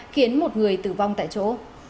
khiến một người tử vong tại chỗ